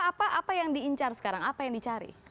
apa apa yang diincar sekarang apa yang dicari